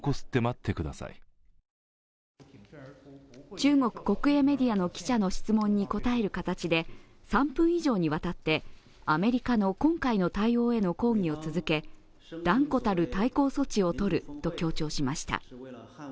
中国国営メディアの記者の質問に答える形で３分以上にわたってアメリカの今回の対応への抗議を続け断固たる対抗措置を取ると強調しました。